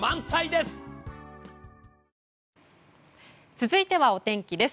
続いてはお天気です。